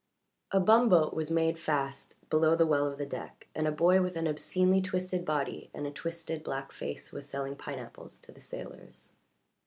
A bumboat was made fast below the well of the deck, and a boy with an obscenely twisted body and a twisted black face was selling pineapples to the sailors.